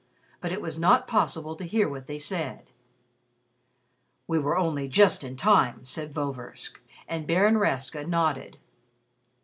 But it was not possible to hear what they said. "We were only just in time," said Vorversk, and Baron Rastka nodded.